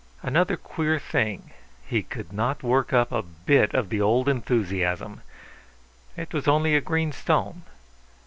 Another queer thing, he could not work up a bit of the old enthusiasm. It was only a green stone.